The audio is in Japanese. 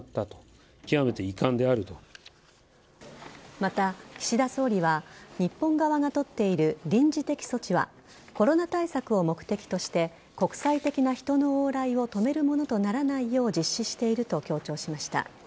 また、岸田総理は日本側が取っている臨時的措置はコロナ対策を目的として国際的な人の往来を止めるものとならないよう実施していると強調しました。